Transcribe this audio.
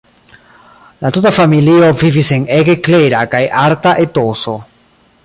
La tuta familio vivis en ege klera kaj arta etoso.